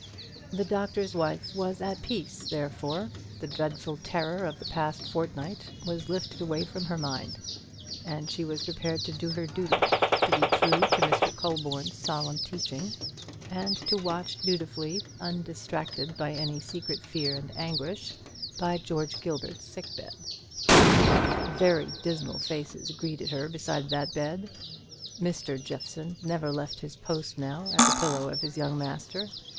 The Doctor's Wife was at peace, therefore; the dreadful terror of the past fortnight was lifted away from her mind, and she was prepared to do her duty; to be true to Mr. Colborne's solemn teaching, and to watch dutifully, undistracted by any secret fear and anguish, by George Gilbert's sick bed. Very dismal faces greeted her beside that bed. Mr. Jeffson never left his post now at the pillow of his young master.